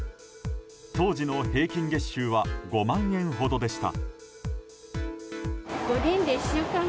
当時の平均月収は５万円ほどでした。